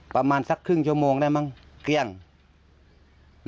ประมาณสักครึ่งชั่วโมงได้มั้งเกลี้ยง